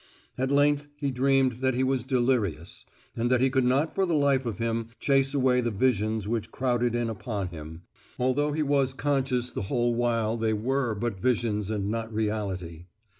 At length he dreamed that he was delirious, and that he could not for the life of him chase away the visions which crowded in upon him, although he was conscious the whole while they were but visions and not reality.